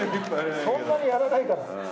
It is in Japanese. そんなにやらないから。